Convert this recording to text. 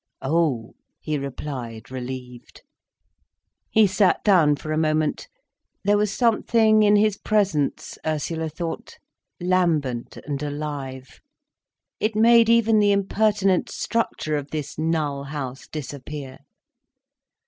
"Oh," he replied, relieved. He sat down for a moment. There was something in his presence, Ursula thought, lambent and alive. It made even the impertinent structure of this null house disappear.